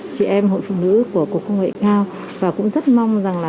chị em hội phụ nữ của cục công nghệ cao và cũng rất mong rằng là